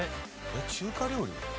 中華料理？